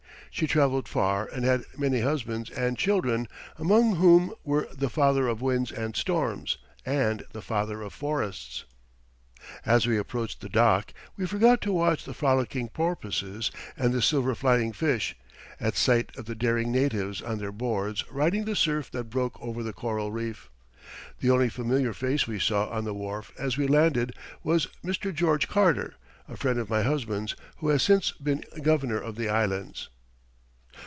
She traveled far, and had many husbands and children, among whom were "the father of winds and storms," and "the father of forests." As we approached the dock, we forgot to watch the frolicking porpoises and the silver flying fish, at sight of the daring natives on their boards riding the surf that broke over the coral reef. The only familiar face we saw on the wharf as we landed was Mr. George Carter, a friend of my husband's, who has since been Governor of the Islands.